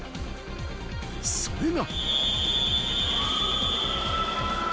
それが。